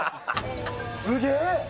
すげえ！